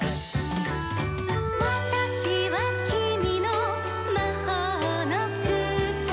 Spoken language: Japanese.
「『わたしはきみのまほうのくつ』」